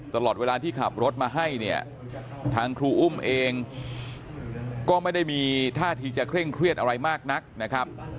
ตลอดเวลาที่ขับรถมาให้เนี่ยทางครูอุ้มเองก็ไม่ได้มีท่าทีจะเคร่งเครียดอะไรมากนักนะครับ